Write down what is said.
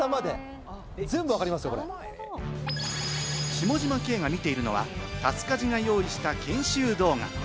下嶋兄が見ているのは、タスカジが用意した研修動画。